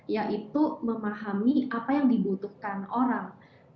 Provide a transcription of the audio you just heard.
yaitu memahami apa yang dibutuhkan orang